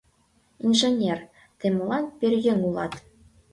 Инженер, тый молан пӧръеҥ улат?